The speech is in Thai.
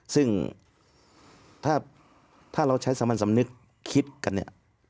ซึ่งถ้าเราใช้สามัญสำนึกคิดกันเนี่ย